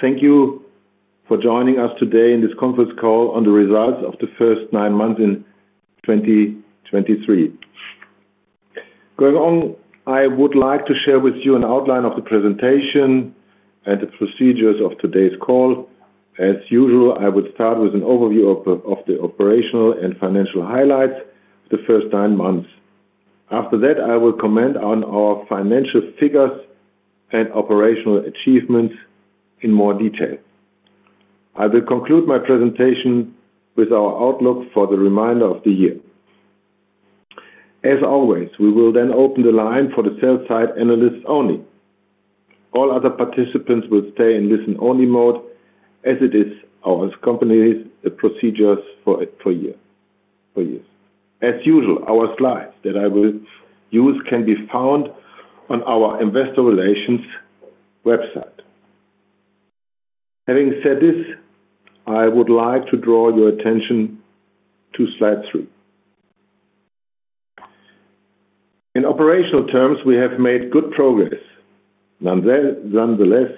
Thank you for joining us today in this conference call on the results of the first 9 months in 2023. Going on, I would like to share with you an outline of the presentation and the procedures of today's call. As usual, I would start with an overview of the operational and financial highlights, the first 9 months. After that, I will comment on our financial figures and operational achievements in more detail. I will conclude my presentation with our outlook for the remainder of the year. As always, we will then open the line for the sell-side analysts only. All other participants will stay in listen-only mode, as it is our company's procedures for years. As usual, our slides that I will use can be found on our investor relations website. Having said this, I would like to draw your attention to slide 3. In operational terms, we have made good progress. Nonetheless,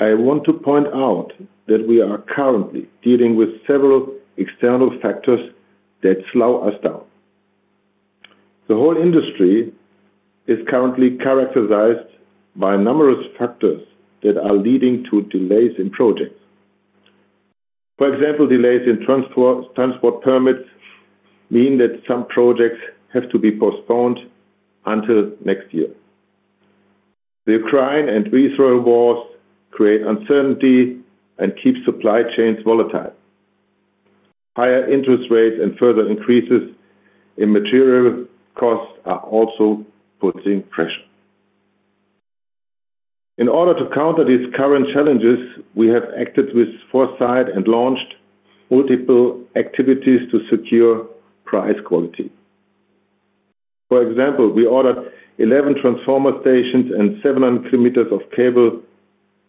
I want to point out that we are currently dealing with several external factors that slow us down. The whole industry is currently characterized by numerous factors that are leading to delays in projects. For example, delays in transport, transport permits mean that some projects have to be postponed until next year. The Ukraine and Israel wars create uncertainty and keep supply chains volatile. Higher interest rates and further increases in material costs are also putting pressure. In order to counter these current challenges, we have acted with foresight and launched multiple activities to secure price quality. For example, we ordered 11 transformer stations and 700 kilometers of cable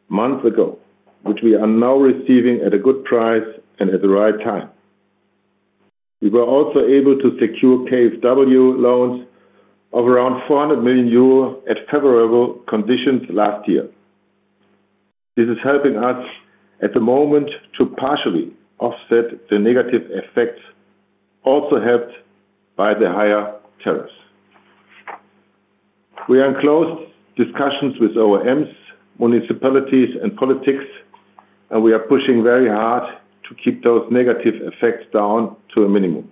months ago, which we are now receiving at a good price and at the right time. We were also able to secure KfW loans of around 400 million euro at favorable conditions last year. This is helping us, at the moment, to partially offset the negative effects, also helped by the higher tariffs. We are in close discussions with our OEMs, municipalities, and politics, and we are pushing very hard to keep those negative effects down to a minimum.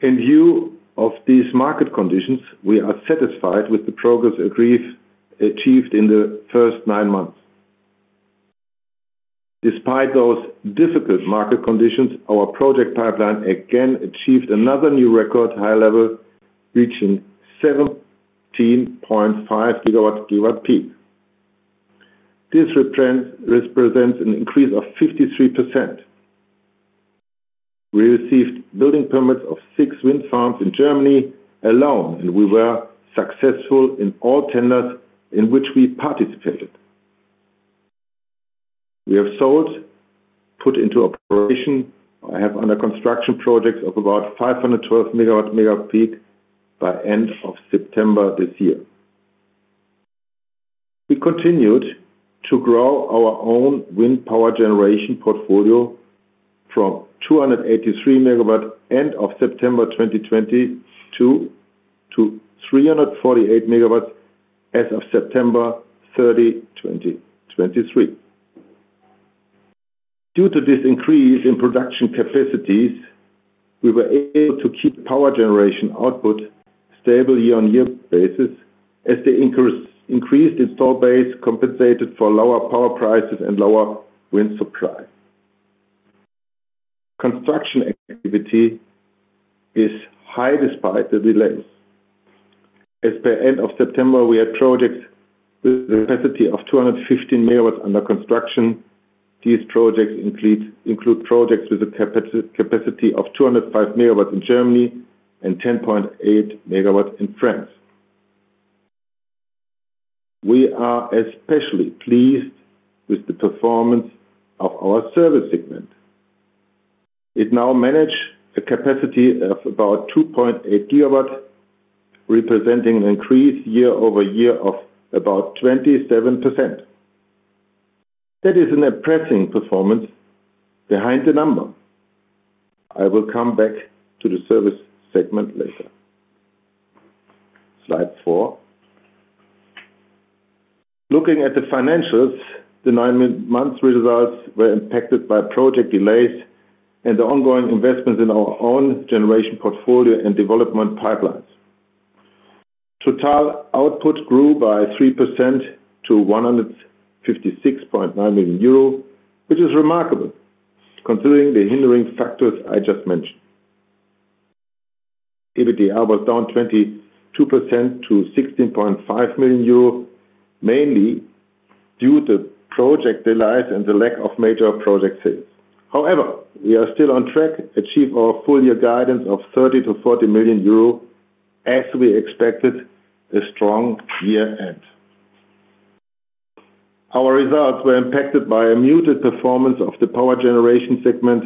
In view of these market conditions, we are satisfied with the progress achieved in the first nine months. Despite those difficult market conditions, our project pipeline again achieved another new record, high level, reaching 17.5 gigawatts, gigawatt peak. This trend represents an increase of 53%. We received building permits of six wind farms in Germany alone, and we were successful in all tenders in which we participated. We have sold, put into operation. I have under construction projects of about 512 MW, MWp by end of September this year. We continued to grow our own wind power generation portfolio from 283 MW, end of September 2022, to 348 MW as of September 30, 2023. Due to this increase in production capacities, we were able to keep power generation output stable year-on-year basis as the increased installed base compensated for lower power prices and lower wind supply. Construction activity is high despite the delays. As per end of September, we had projects with a capacity of 215 MW under construction. These projects include projects with a capacity of 205 MW in Germany and 10.8 MW in France. We are especially pleased with the performance of our service segment. It now manages a capacity of about 2.8 gigawatts, representing an increase year-over-year of about 27%. That is an impressive performance behind the number. I will come back to the service segment later. Slide four. Looking at the financials, the nine-month results were impacted by project delays and the ongoing investments in our own generation portfolio and development pipelines. Total output grew by 3% to 156.9 million euro, which is remarkable considering the hindering factors I just mentioned. EBITDA was down 22% to 16.5 million euro, mainly due to project delays and the lack of major project sales. However, we are still on track to achieve our full year guidance of 30 million-40 million euro as we expected a strong year-end. Our results were impacted by a muted performance of the power generation segment,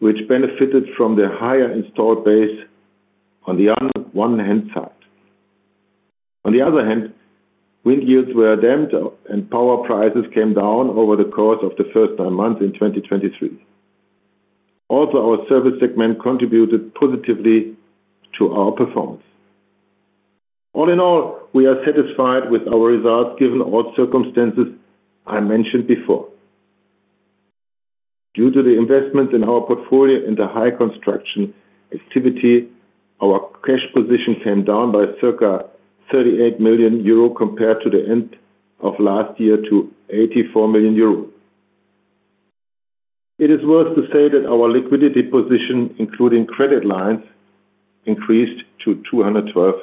which benefited from the higher installed base. On the other hand, wind yields were damped, and power prices came down over the course of the first 9 months in 2023. Also, our service segment contributed positively to our performance. All in all, we are satisfied with our results, given all circumstances I mentioned before. Due to the investment in our portfolio and the high construction activity, our cash position came down by circa 38 million euro compared to the end of last year, to 84 million euro. It is worth to say that our liquidity position, including credit lines, increased to EUR 212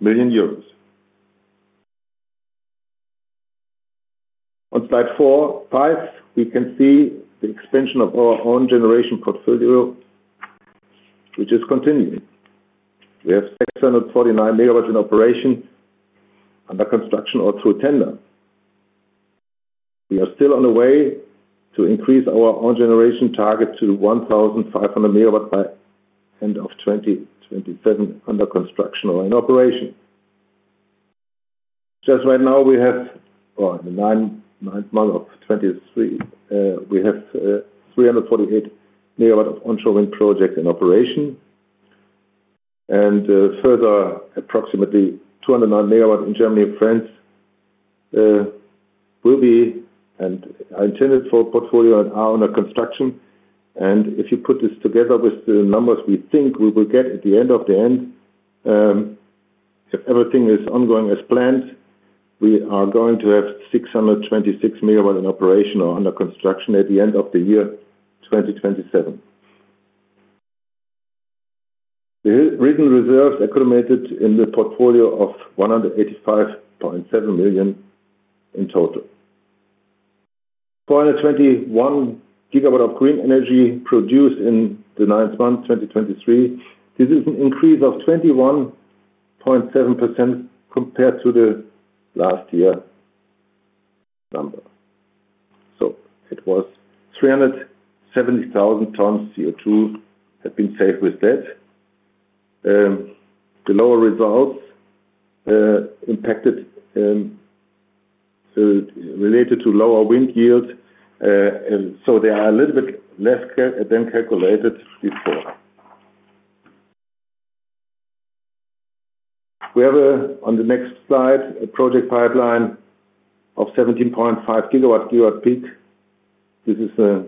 million. On slide 45, we can see the expansion of our own generation portfolio, which is continuing. We have 649 MW in operation under construction or through tender. We are still on the way to increase our own generation target to 1,500 MW by end of 2027, under construction or in operation. Just right now, or the ninth month of 2023, we have 348 MW of onshore wind project in operation, and further, approximately 209 MW in Germany and France will be and are intended for portfolio and are under construction. If you put this together with the numbers we think we will get at the end, if everything is ongoing as planned, we are going to have 626 MW in operation or under construction at the end of the year, 2027. The written reserves accumulated in the portfolio of 185.7 million in total. 421 GW of green energy produced in the ninth month, 2023. This is an increase of 21.7% compared to the last year number. So it was 370,000 tons CO2 had been saved with that. The lower results impacted so related to lower wind yield and so they are a little bit less than calculated before. We have on the next slide a project pipeline of 17.5 GW, GWp. This is a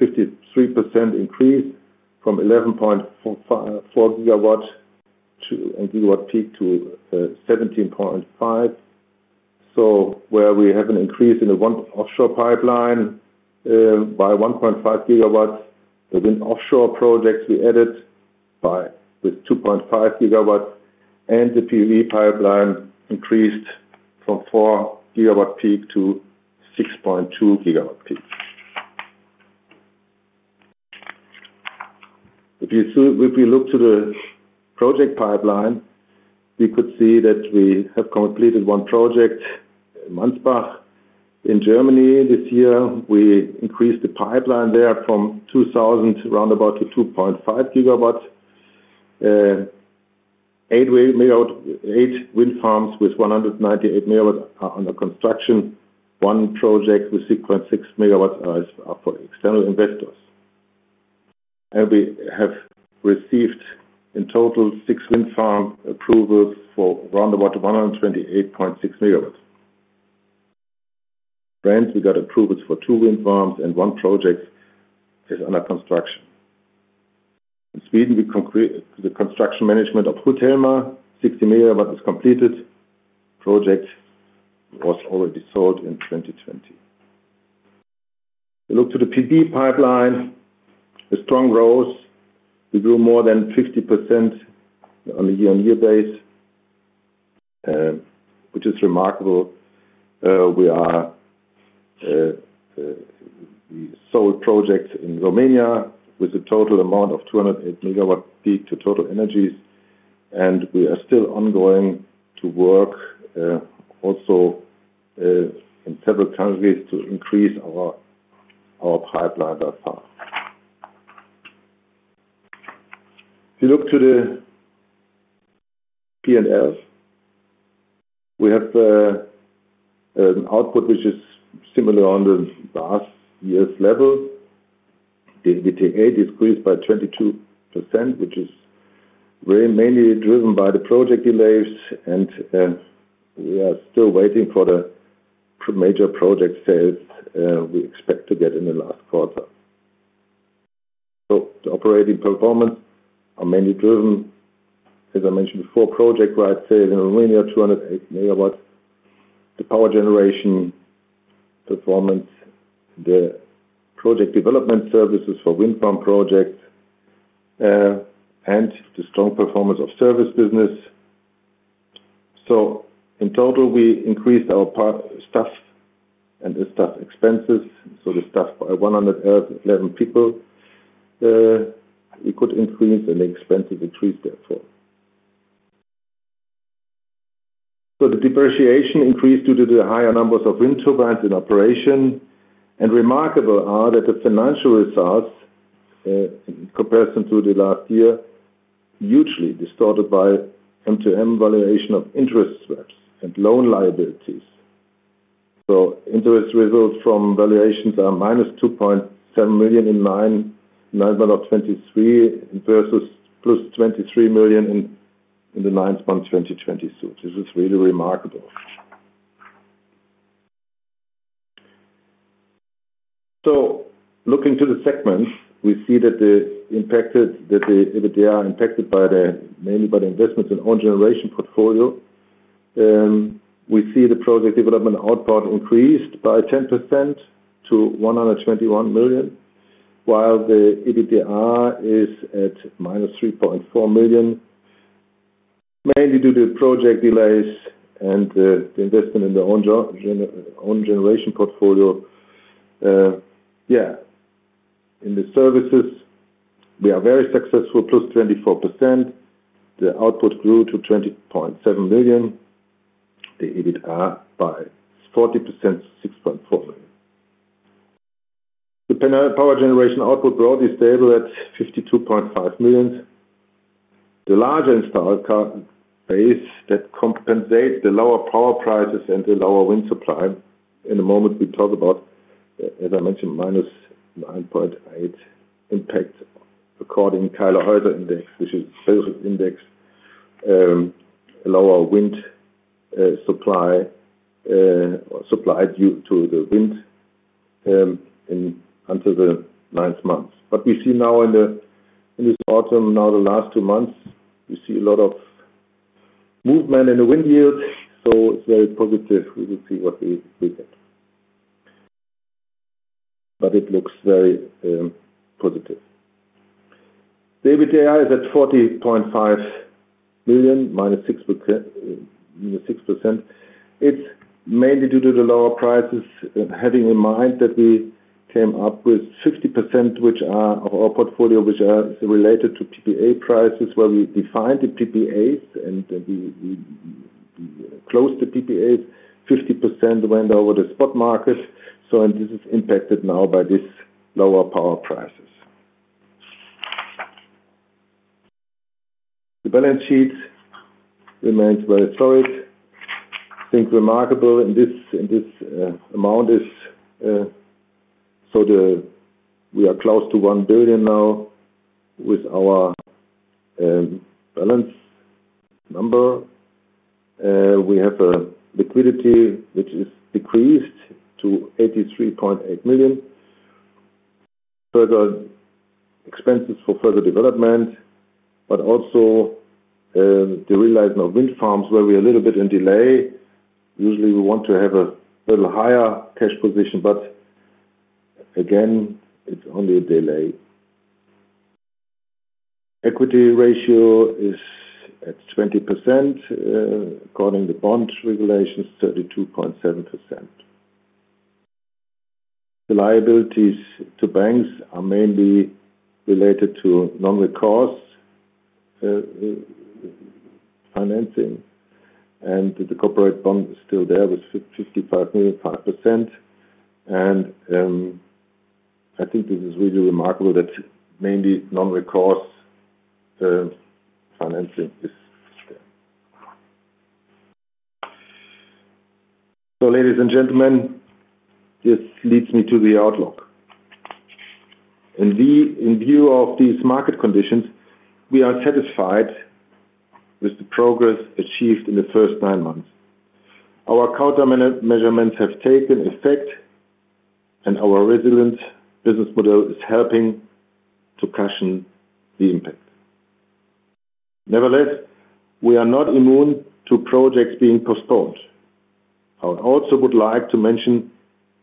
53% increase from 11.454 GW to and GWp to 17.5. So where we have an increase in the one offshore pipeline by 1.5 GW, within offshore projects, we added by, with 2.5 GW, and the PV pipeline increased from 4 GWp to 6.2 GWp. If you see. If you look to the project pipeline, we could see that we have completed 1 project, Mansbach, in Germany this year. We increased the pipeline there from 2,000 round about to 2.5 GW. We have eight wind farms with 198 MW are under construction. 1 project with 6.6 MW is for external investors. And we have received, in total, 6 wind farm approvals for round about 128.6 MW. France, we got approvals for two wind farms, and 1 project is under construction. In Sweden, we completed the construction management of Hultema, 60 MW is completed. Project was already sold in 2020. We look to the PV pipeline, a strong growth. We grew more than 50% on a year-on-year base, which is remarkable. We are, we sold projects in Romania with a total amount of 208 MWp to TotalEnergies, and we are still ongoing to work, also, in several countries to increase our pipeline that far. If you look to the P&Ls, we have an output which is similar on the last year's level. The EBITDA decreased by 22%, which is very mainly driven by the project delays, and we are still waiting for the major project sales, we expect to get in the last quarter. The operating performance is mainly driven, as I mentioned before, by project sales in Romania, 208 MW, the power generation performance, the project development services for wind farm projects, and the strong performance of service business. In total, we increased our staff and the staff expenses, so the staff by 111 people, we could increase and the expenses increased therefore. The depreciation increased due to the higher numbers of wind turbines in operation, and remarkable are that the financial results, comparison to the last year, hugely distorted by M2M valuation of interest swaps and loan liabilities. Interest results from valuations are -2.7 million in 9M 2019, 9M 2023, versus +23 million in the 9M 2022. This is really remarkable. So looking to the segments, we see that they are impacted mainly by the investments in own generation portfolio. We see the project development output increased by 10% to 121 million, while the EBITDA is at -3.4 million, mainly due to project delays and the investment in their own generation portfolio. In the services, we are very successful, +24%. The output grew to 20.7 million. The EBITDA by 40%, 6.4 million. The renewable power generation output growth is stable at 52.5 million. The large installed capacity base that compensates the lower power prices and the lower wind supply. In a moment, we talk about, as I mentioned, -9.8% impact, according to Kylo Heather Index, which is sales index, lower wind supply due to the wind up until the ninth month. But we see now in this autumn, the last two months, we see a lot of movement in the wind yield, so it's very positive. We will see what we get. But it looks very positive. The EBITDA is at 40.5 million, -6%, 6%. It's mainly due to the lower prices, having in mind that we came up with 60%, which are of our portfolio, which are related to PPA prices, where we defined the PPAs and we closed the PPAs. 50% went over the spot market, and this is impacted now by this lower power prices. The balance sheet remains very solid. I think remarkable, and this amount is we are close to 1 billion now with our balance number. We have a liquidity, which is decreased to 83.8 million. Further expenses for further development, but also the realization of wind farms, where we are a little bit in delay. Usually, we want to have a little higher cash position, but again, it's only a delay. Equity ratio is at 20%, according to bond regulations, 32.7%. The liabilities to banks are mainly related to non-recourse financing, and the corporate bond is still there with 55 million, 5%. I think this is really remarkable that mainly non-recourse financing is there. Ladies and gentlemen, this leads me to the outlook. In view of these market conditions, we are satisfied with the progress achieved in the first nine months. Our countermeasures have taken effect, and our resilient business model is helping to cushion the impact. Nevertheless, we are not immune to projects being postponed. I would also like to mention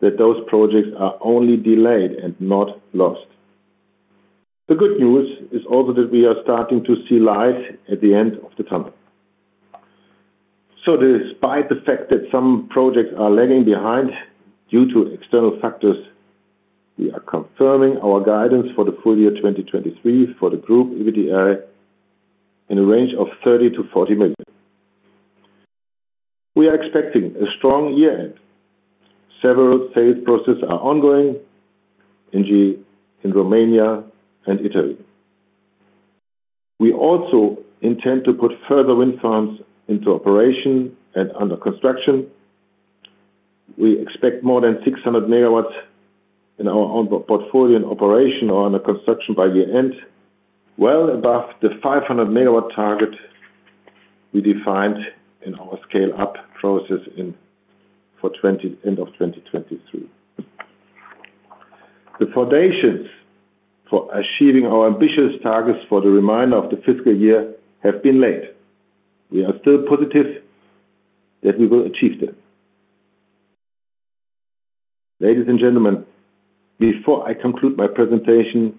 that those projects are only delayed and not lost. The good news is also that we are starting to see light at the end of the tunnel. Despite the fact that some projects are lagging behind due to external factors, we are confirming our guidance for the full year 2023 for the group EBITDA in a range of 30 million-40 million. We are expecting a strong year. Several sales processes are ongoing in Germany, in Romania and Italy. We also intend to put further wind farms into operation and under construction. We expect more than 600 MW in our own portfolio in operation or under construction by year-end, well above the 500 MW target we defined in our scale-up process in 2020, end of 2023. The foundations for achieving our ambitious targets for the remainder of the fiscal year have been laid. We are still positive that we will achieve them. Ladies and gentlemen, before I conclude my presentation,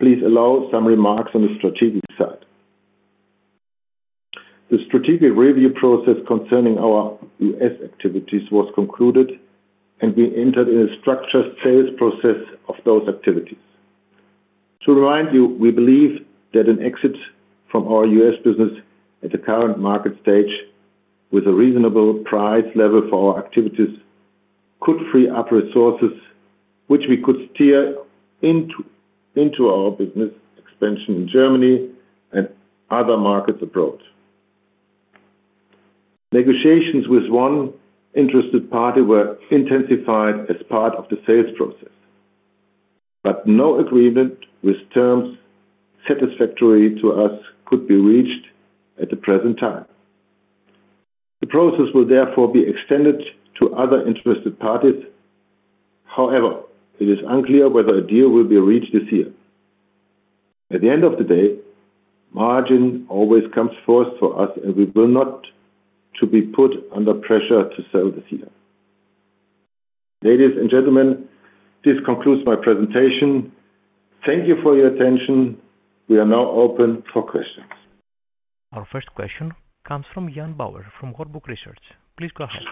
please allow some remarks on the strategic side. The strategic review process concerning our U.S. activities was concluded, and we entered into a structured sales process of those activities.... To remind you, we believe that an exit from our U.S. business at the current market stage, with a reasonable price level for our activities, could free up resources, which we could steer into our business expansion in Germany and other markets abroad. Negotiations with one interested party were intensified as part of the sales process, but no agreement with terms satisfactory to us could be reached at the present time. The process will therefore be extended to other interested parties. However, it is unclear whether a deal will be reached this year. At the end of the day, margin always comes first for us, and we will not to be put under pressure to sell this year. Ladies and gentlemen, this concludes my presentation. Thank you for your attention. We are now open for questions. Our first question comes from Jan Bauer, from Hauck Aufhäuser. Please go ahead.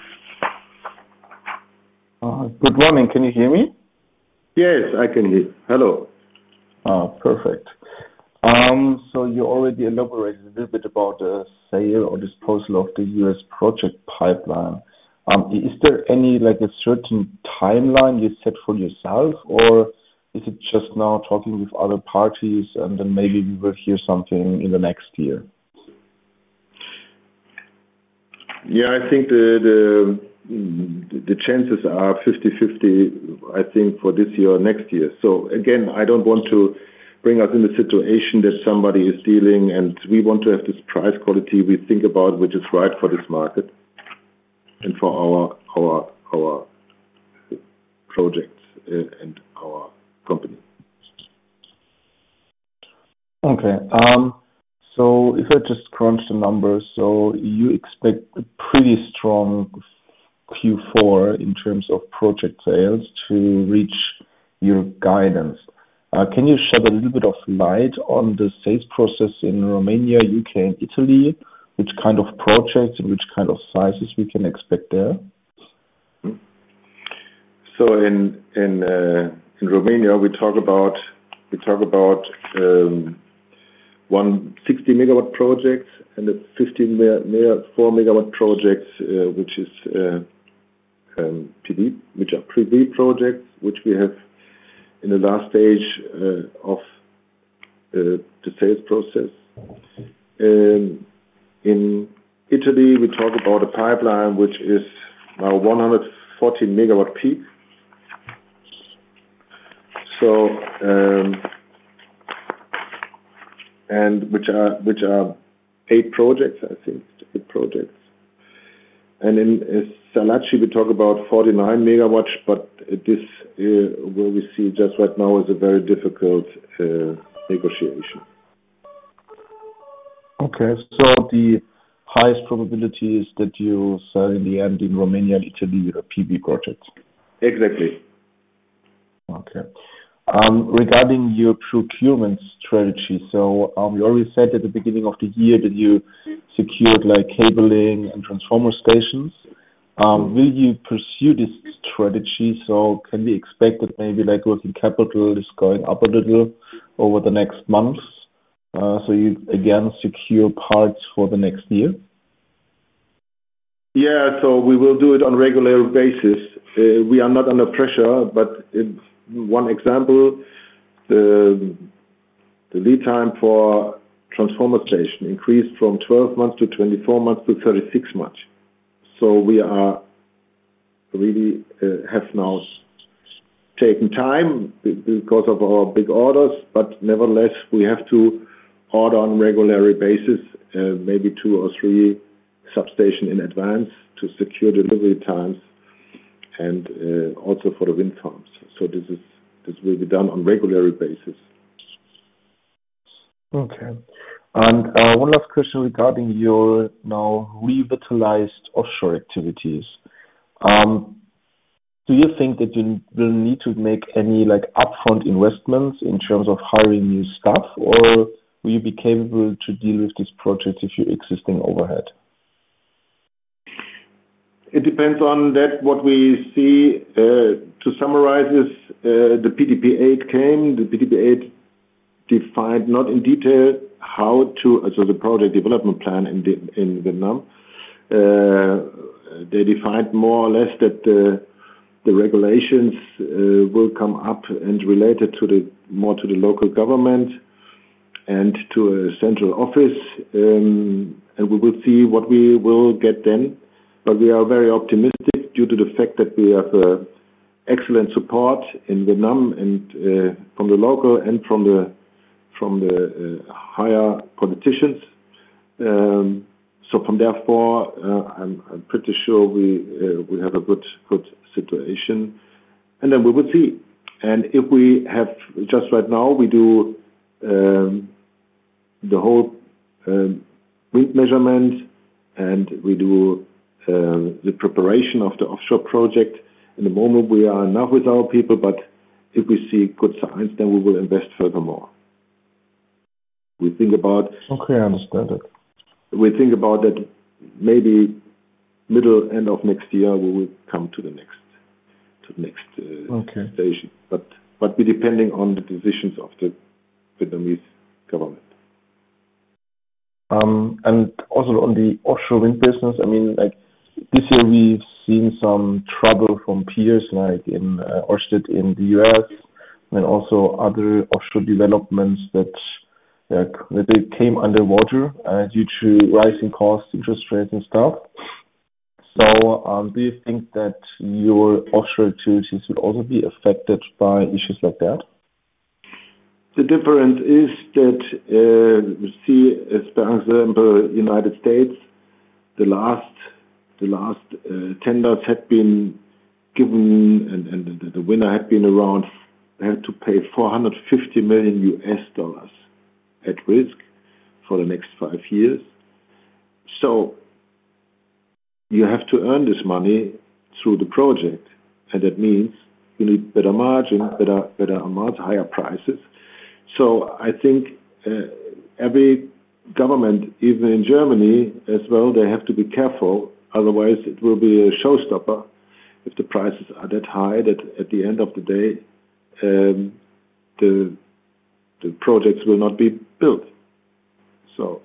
Good morning. Can you hear me? Yes, I can hear you. Hello. Perfect. So you already elaborated a little bit about the sale or disposal of the U.S. project pipeline. Is there any, like, a certain timeline you set for yourself, or is it just now talking with other parties, and then maybe we will hear something in the next year? Yeah, I think the chances are 50/50, I think, for this year or next year. So again, I don't want to bring us in a situation that somebody is dealing, and we want to have this price quality we think about, which is right for this market and for our projects, and our company. Okay. So if I just crunch the numbers, so you expect a pretty strong Q4 in terms of project sales to reach your guidance. Can you shed a little bit of light on the sales process in Romania, UK, and Italy? Which kind of projects and which kind of sizes we can expect there? So in Romania, we talk about a 160 MW project, and it's 15 4 MW projects, which are PV projects, which we have in the last stage of the sales process. In Italy, we talk about a pipeline which is 140 MWp. And which are eight projects. And in Poland, we talk about 49 MW, but what we see just right now is a very difficult negotiation. Okay, so the highest probability is that you sell in the end in Romania and Italy, your PV projects? Exactly. Okay. Regarding your procurement strategy, so, you already said at the beginning of the year that you secured, like, cabling and transformer stations. Will you pursue this strategy? Can we expect that maybe, like, working capital is going up a little over the next months, so you again secure parts for the next year? Yeah. So we will do it on a regular basis. We are not under pressure, but in one example, the lead time for transformer station increased from 12 months to 24 months to 36 months. So we are really have now taken time because of our big orders, but nevertheless, we have to order on regularly basis, maybe two or three substation in advance to secure delivery times and also for the wind farms. So this is. This will be done on regularly basis. Okay. And, one last question regarding your now revitalized offshore activities. Do you think that you will need to make any, like, upfront investments in terms of hiring new staff, or will you be capable to deal with this project with your existing overhead? It depends on that, what we see, to summarize is, the PDP 8 came. The PDP 8 defined, not in detail, so the project development plan in Vietnam. They defined more or less that the, the regulations, will come up and related to the, more to the local government and to a central office. And we will see what we will get then. But we are very optimistic due to the fact that we have, excellent support in Vietnam and, from the local and from the, from the, higher politicians. So from therefore, I'm, I'm pretty sure we, we have a good, good situation, and then we will see. And right now, we do the whole wind measurement, and we do the preparation of the offshore project. In the moment, we are enough with our people, but if we see good signs, then we will invest furthermore... We think about- Okay, I understand that. We think about it, maybe middle, end of next year, we will come to the next, to the next. Okay. Situation. But it depends on the decisions of the Vietnamese government. And also on the offshore wind business, I mean, like, this year, we've seen some trouble from peers, like in Ørsted in the U.S., and also other offshore developments that they came underwater due to rising costs, interest rates, and stuff. So, do you think that your offshore activities would also be affected by issues like that? The difference is that, we see, as per example, United States, the last tenders had been given and the winner had been around, they had to pay $450 million at risk for the next five years. So you have to earn this money through the project, and that means you need better margin, better amounts, higher prices. So I think every government, even in Germany as well, they have to be careful, otherwise, it will be a showstopper if the prices are that high. That at the end of the day, the projects will not be built. So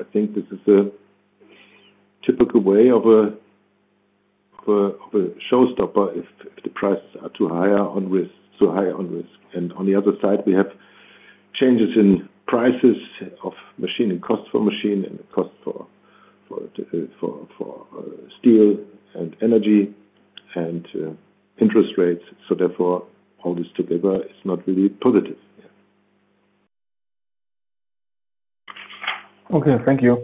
I think this is a typical way of a showstopper, if the prices are too high on risk, too high on risk. On the other side, we have changes in prices of machine and cost for machine, and cost for steel and energy and interest rates. So therefore, all this together is not really positive. Yeah. Okay, thank you.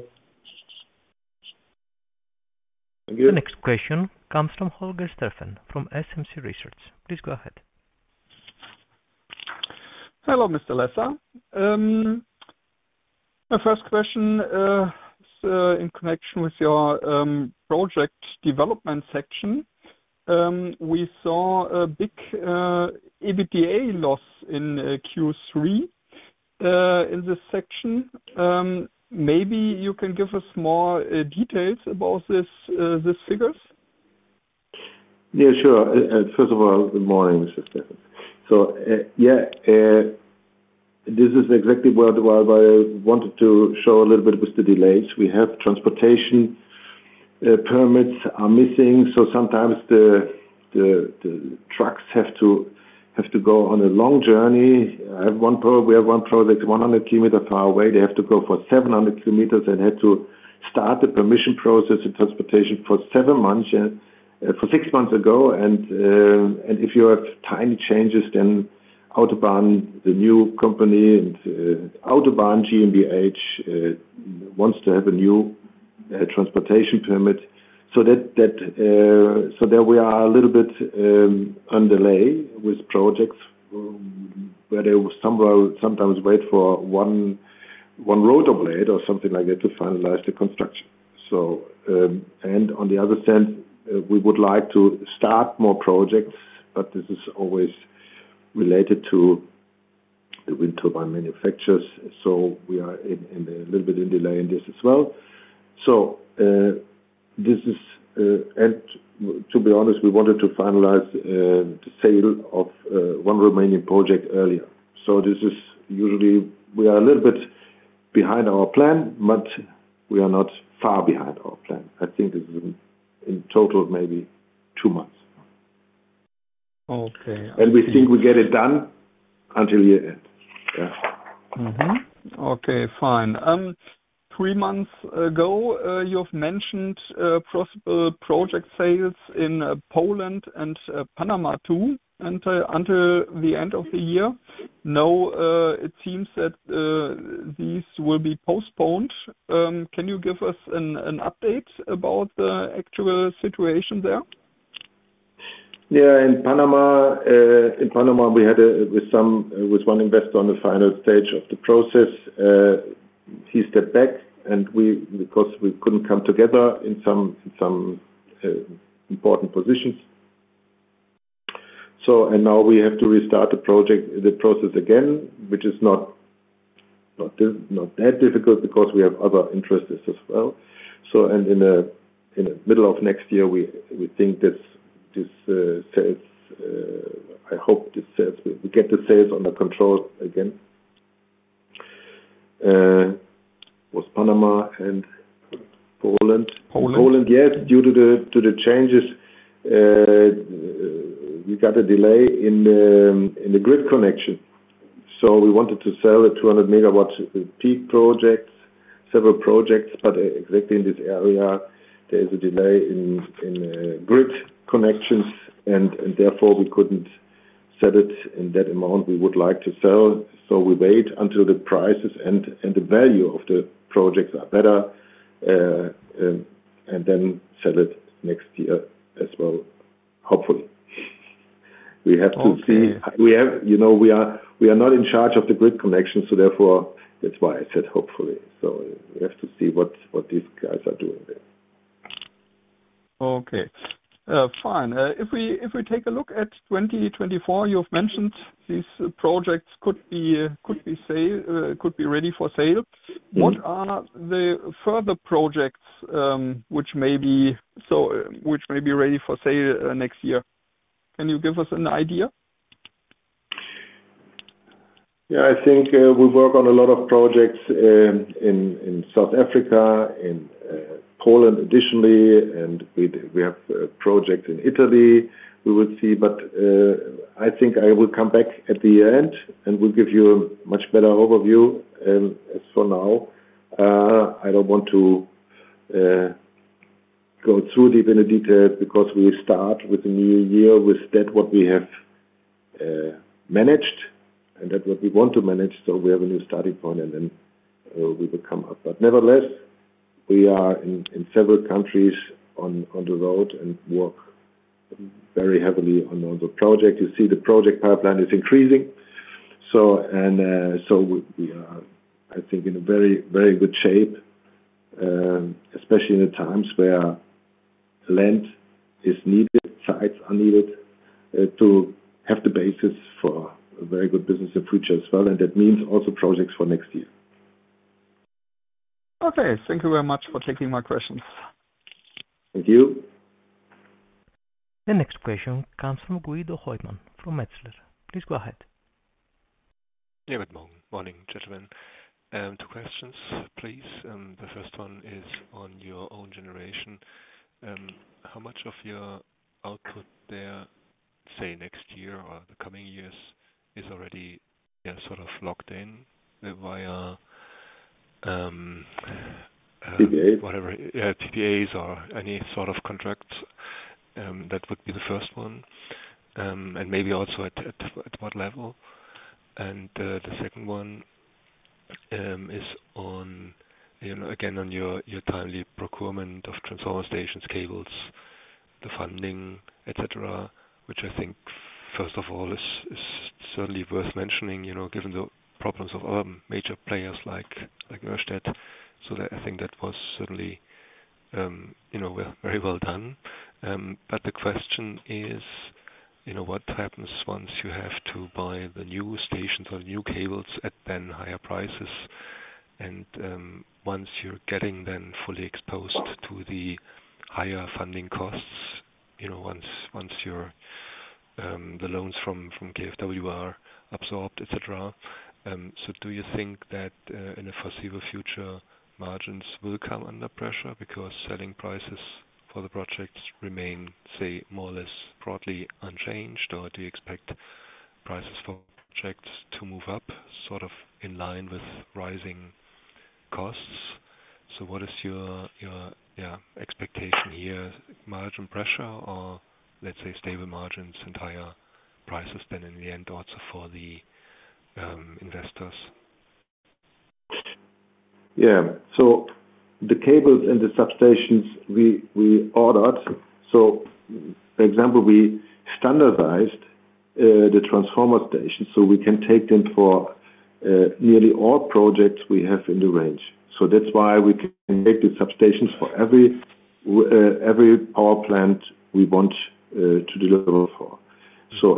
Thank you. The next question comes from Holger Steffen from SMC Research. Please go ahead. Hello, Mr. Lesser. My first question is in connection with your project development section. We saw a big EBITDA loss in Q3 in this section. Maybe you can give us more details about these figures. Yeah, sure. First of all, good morning, Mr. Steffen. So, yeah, this is exactly where I wanted to show a little bit with the delays. We have transportation permits are missing, so sometimes the trucks have to go on a long journey. We have 1 project 100 kilometers far away. They have to go for 700 kilometers and had to start the permission process and transportation for 7 months and for 6 months ago. And if you have tiny changes, then Autobahn, the new company, and Autobahn GmbH wants to have a new transportation permit. So that... So there we are a little bit on delay with projects, where they will sometimes wait for one rotor blade or something like that to finalize the construction. So, and on the other sense, we would like to start more projects, but this is always related to the wind turbine manufacturers, so we are in a little bit in delay in this as well. So, this is, and to be honest, we wanted to finalize the sale of one remaining project earlier. So this is usually, we are a little bit behind our plan, but we are not far behind our plan. I think this is in total, maybe two months. Okay. We think we get it done until year-end. Yeah. Mm-hmm. Okay, fine. Three months ago, you've mentioned possible project sales in Poland and Panama, too, until the end of the year. Now, it seems that these will be postponed. Can you give us an update about the actual situation there? Yeah, in Panama, in Panama, we had a, with some, with one investor on the final stage of the process. He stepped back, and we—because we couldn't come together in some, some, important positions. So, and now we have to restart the project, the process again, which is not, not di—not that difficult because we have other interests as well. So, and in the, in the middle of next year, we, we think this, this, sales, I hope this sales... We, we get the sales under control again. Was Panama and Poland? Poland. Poland, yeah. Due to the, due to the changes, we got a delay in, in the grid connection. So we wanted to sell 200 MWp projects, several projects, but exactly in this area, there is a delay in, in, grid connections, and, and therefore, we couldn't sell it in that amount we would like to sell. So we wait until the prices and, and the value of the projects are better, and then sell it next year as well, hopefully. We have to see- Okay. We have, you know, we are not in charge of the grid connection, so therefore, that's why I said hopefully. So we have to see what these guys are doing.... Okay, fine. If we take a look at 2024, you've mentioned these projects could be ready for sale. What are the further projects which may be ready for sale next year? Can you give us an idea? Yeah, I think we work on a lot of projects in South Africa, in Poland, additionally, and we have projects in Italy, we will see. But I think I will come back at the end, and we'll give you a much better overview. And as for now, I don't want to go too deep in the details, because we start with the new year, with that what we have managed and that what we want to manage. So we have a new starting point, and then we will come up. But nevertheless, we are in several countries on the road and work very heavily on all the projects. You see the project pipeline is increasing. So we are, I think, in a very, very good shape, especially in the times where land is needed, sites are needed, to have the basis for a very good business in the future as well, and that means also projects for next year. Okay. Thank you very much for taking my questions. Thank you. The next question comes from Guido Hoymann, from Metzler. Please go ahead. Yeah. Good morning, gentlemen. Two questions, please. The first one is on your own generation. How much of your output there, say, next year or the coming years, is already, yeah, sort of locked in via - PPA? -whatever, yeah, PPAs or any sort of contracts? That would be the first one. And maybe also at, at, at what level? And the second one is on, you know, again, on your, your timely procurement of transformer stations, cables, the funding, et cetera, which I think, first of all, is, is certainly worth mentioning, you know, given the problems of other major players like, like Ørsted. So I think that was certainly, you know, very well done. But the question is, you know, what happens once you have to buy the new stations or the new cables at then higher prices, and once you're getting then fully exposed to the higher funding costs, you know, once, once your the loans from, from KfW are absorbed, et cetera. So do you think that in the foreseeable future, margins will come under pressure because selling prices for the projects remain, say, more or less broadly unchanged? Or do you expect prices for projects to move up, sort of in line with rising costs? So what is your expectation here? Margin pressure or, let's say, stable margins and higher prices than in the end, also for the investors. Yeah. So the cables and the substations, we ordered. So for example, we standardized the transformer station, so we can take them for nearly all projects we have in the range. So that's why we can make the substations for every every power plant we want to deliver for.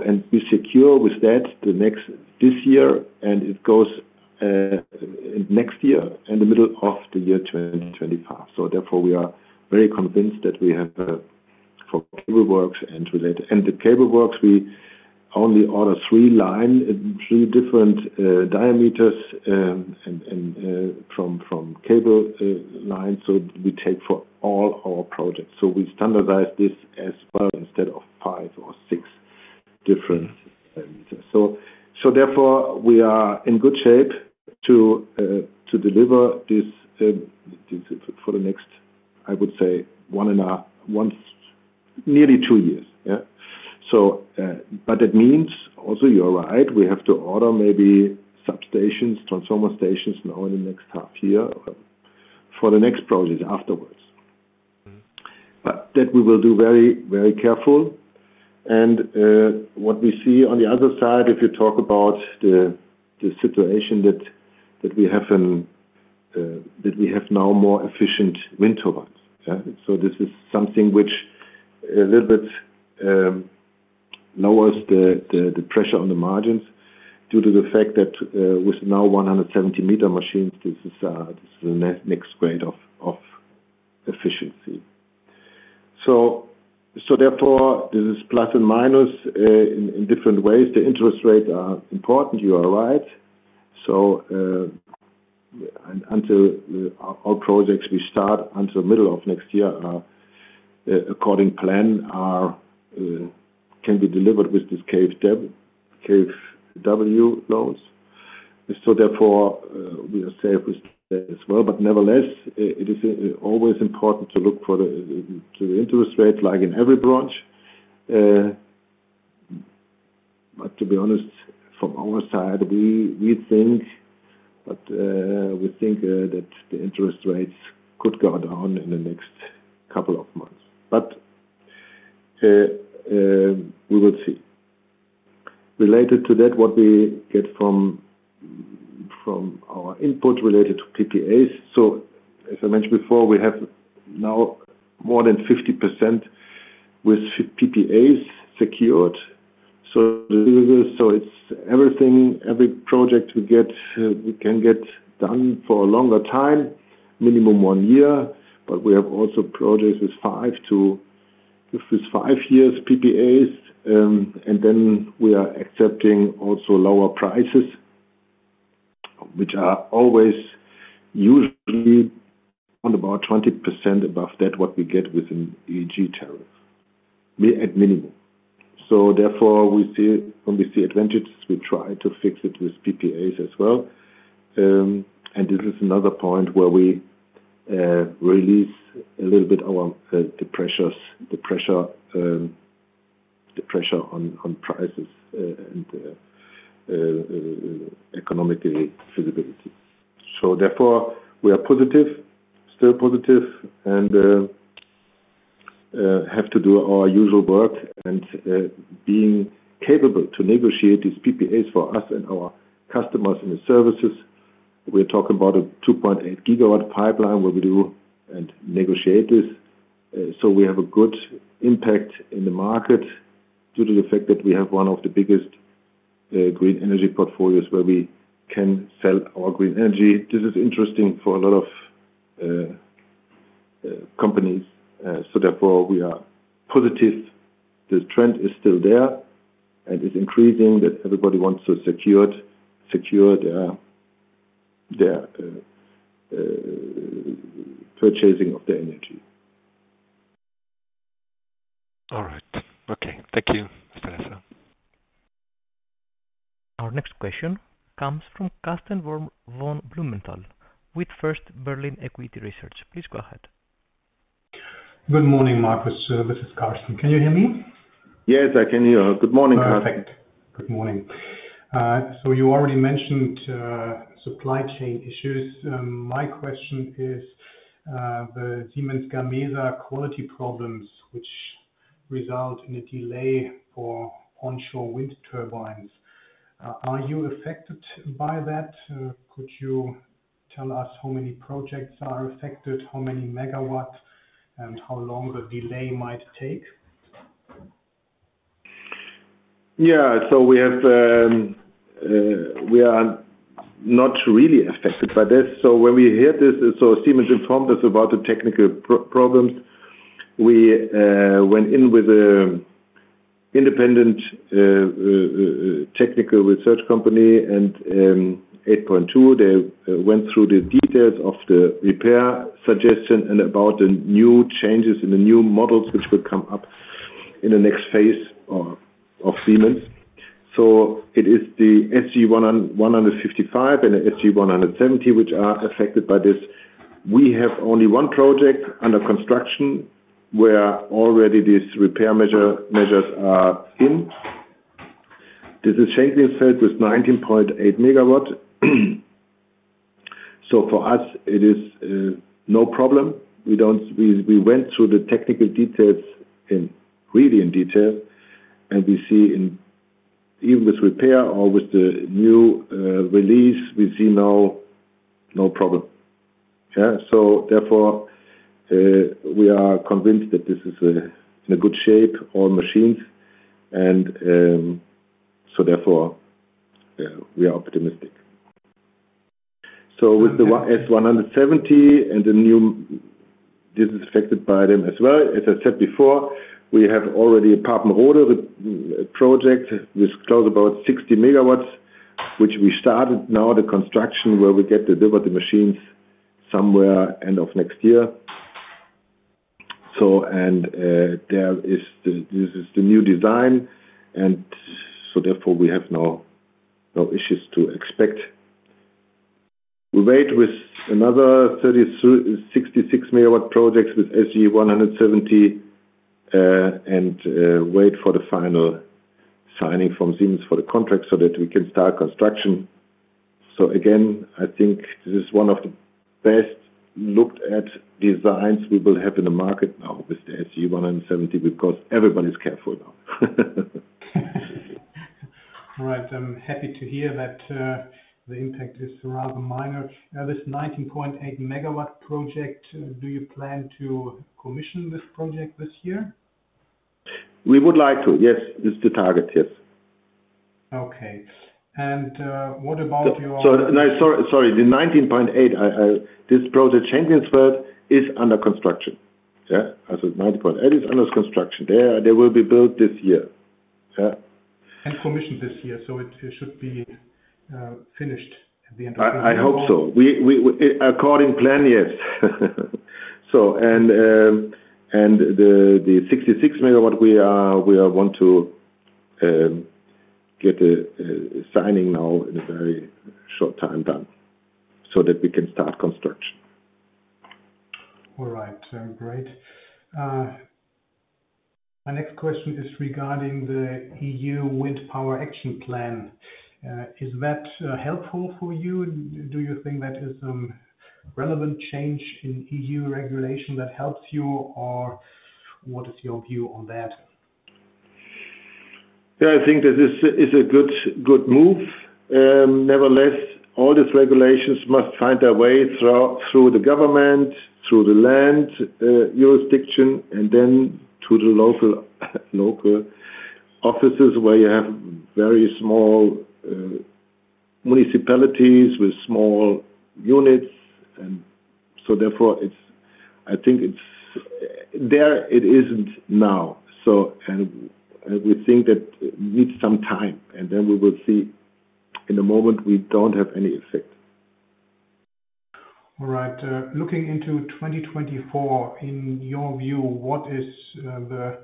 And we secure with that the next this year, and it goes next year and the middle of the year 2025. So therefore, we are very convinced that we have for cable works and related. And the cable works, we only order three line, three different diameters, and and from from cable line, so we take for all our projects. So we standardize this as well, instead of five or six different meters. So, so therefore, we are in good shape to, to deliver this, this for the next, I would say, one and a half, one—nearly two years. Yeah. So, but that means also, you're right, we have to order maybe substations, transformer stations, now in the next half year, for the next project afterwards. Mm-hmm. But that we will do very, very careful. And, what we see on the other side, if you talk about the situation that we have in that we have now more efficient wind turbines. Yeah? So this is something which a little bit lowers the pressure on the margins due to the fact that with now 170-meter machines, this is the next grade of efficiency. So therefore, this is plus and minus in different ways. The interest rates are important, you are right. So until our projects we start until middle of next year according plan can be delivered with this KfW loans. So therefore we are safe as well. But nevertheless, it is always important to look for the, to the interest rate, like in every branch. But to be honest, from our side, we think that the interest rates could go down in the next couple of months, but we will see. Related to that, what we get from our input related to PPAs. So as I mentioned before, we have now more than 50% with PPAs secured. So the delivery, so it's everything, every project we get, we can get done for a longer time, minimum 1 year. But we have also projects with 5-year PPAs. And then we are accepting also lower prices, which are always usually on about 20% above that, what we get with an EEG tariff, at minimum. So therefore, we see, when we see advantages, we try to fix it with PPAs as well. This is another point where we release a little bit of the pressure on prices and economic feasibility. So therefore, we are positive, still positive, and have to do our usual work, and being capable to negotiate these PPAs for us and our customers and the services. We're talking about a 2.8 GW pipeline, where we do and negotiate this. So we have a good impact in the market due to the fact that we have one of the biggest green energy portfolios where we can sell our green energy. This is interesting for a lot of companies, so therefore, we are positive. The trend is still there, and it's increasing, that everybody wants to secure their purchasing of the energy. All right. Okay. Thank you, Mr. Lesser. Our next question comes from Karsten Worm von Blumenthal with First Berlin Equity Research. Please go ahead. Good morning, Markus. This is Karsten. Can you hear me? Yes, I can hear you. Good morning, Karsten. Perfect. Good morning. So you already mentioned supply chain issues. My question is, the Siemens Gamesa quality problems, which result in a delay for onshore wind turbines. Are you affected by that? Could you tell us how many projects are affected, how many megawatts, and how long the delay might take? Yeah. So we have we are not really affected by this. So when we heard this, so Siemens informed us about the technical problems. We went in with an independent technical research company, and 8.2, they went through the details of the repair suggestion and about the new changes in the new models, which will come up in the next phase of Siemens. So it is the SG 155 and the SG 170, which are affected by this. We have only one project under construction, where already these repair measures are in. This is Schöninghsdorf with 19.8 MW. So for us, it is no problem. We don't. We went through the technical details in really in detail, and we see, even with repair or with the new release, we see now no problem. Yeah, so therefore, we are convinced that this is in a good shape, all machines, and so therefore, we are optimistic. So with the SG 170 and the new—this is affected by them as well. As I said before, we have already a partner order project, which close about 60 MW, which we started now, the construction, where we get delivered the machines somewhere end of next year. So, and, there is the—this is the new design, and so therefore, we have no issues to expect. We have another 36 MW projects with SG 170, and wait for the final signing from Siemens for the contract so that we can start construction. So again, I think this is one of the best looked at designs we will have in the market now with the SG 170, because everybody's careful now. All right. I'm happy to hear that, the impact is rather minor. Now, this 19.8 megawatt project, do you plan to commission this project this year? We would like to, yes. It's the target, yes. Okay. And, what about your- So, no, sorry, sorry. The 19.8, this project, Schöninghsdorf, is under construction. Yeah, I said 19.8 is under construction. They will be built this year. Yeah. Commissioned this year, so it should be finished at the end of the year. I hope so. We according to plan, yes. So, the 66 MW, we want to get a signing done in a very short time, so that we can start construction. All right, great. My next question is regarding the EU Wind Power Action Plan. Is that helpful for you? Do you think that is relevant change in EU regulation that helps you, or what is your view on that? Yeah, I think that this is a good, good move. Nevertheless, all these regulations must find their way through, through the government, through the land, jurisdiction, and then to the local, local offices, where you have very small, municipalities with small units. And so therefore, it's—I think it's, there it isn't now. So, and, and we think that it needs some time, and then we will see. In the moment, we don't have any effect. All right. Looking into 2024, in your view, what is the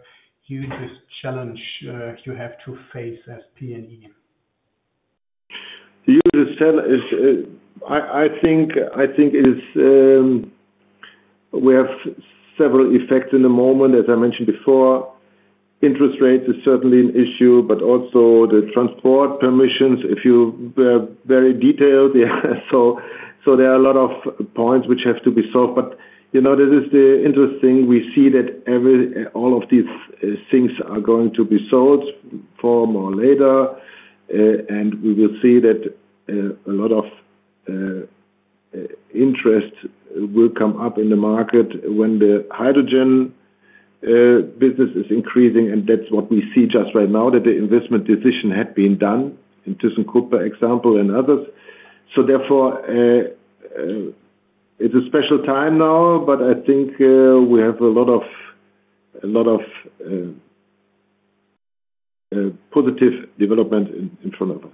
hugest challenge you have to face as PNE? The hugest challenge is, I think it is, we have several effects in the moment. As I mentioned before, interest rates is certainly an issue, but also the transport permissions, if you very detailed. Yeah, so there are a lot of points which have to be solved. But, you know, this is the interesting, we see that all of these things are going to be solved sooner or later. And we will see that a lot of interest will come up in the market when the hydrogen business is increasing. And that's what we see just right now, that the investment decision had been done in ThyssenKrupp, example, and others. Therefore, it's a special time now, but I think we have a lot of, a lot of positive development in front of us.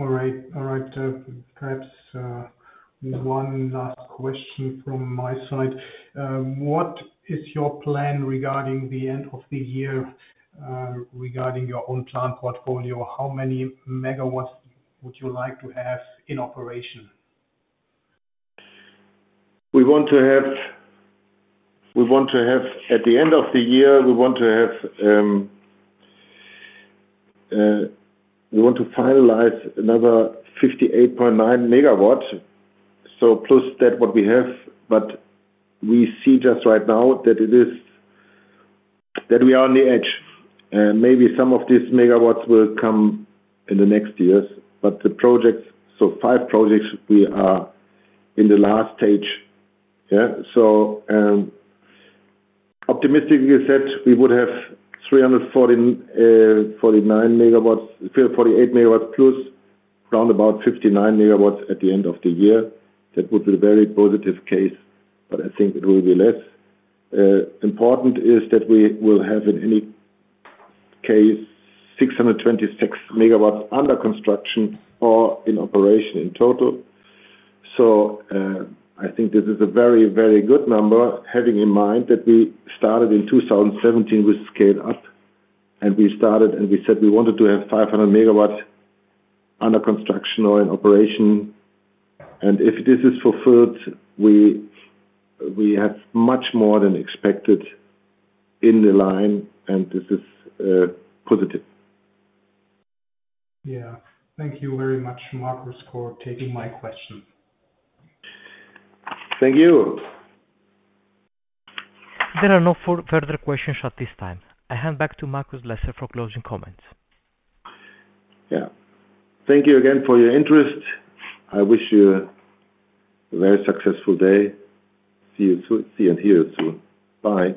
All right. All right, perhaps, one last question from my side. What is your plan regarding the end of the year, regarding your own plant portfolio? How many megawatts would you like to have in operation? At the end of the year, we want to finalize another 58.9 MW, so plus that what we have. But we see just right now that it is, that we are on the edge, and maybe some of these megawatts will come in the next years. But the projects, so five projects, we are in the last stage. Yeah, so, optimistically said, we would have 349 MW, 348 MW, plus around about 59 MW at the end of the year. That would be a very positive case, but I think it will be less. Important is that we will have, in any case, 626 MW under construction or in operation in total. I think this is a very, very good number, having in mind that we started in 2017 with scale up, and we started, and we said we wanted to have 500 MW under construction or in operation. And if this is fulfilled, we have much more than expected in the line, and this is positive. Yeah. Thank you very much, Markus, for taking my question. Thank you. There are no further questions at this time. I hand back to Markus Lesser for closing comments. Yeah. Thank you again for your interest. I wish you a very successful day. See you soon. See and hear you soon. Bye.